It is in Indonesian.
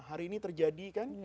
hari ini terjadi kan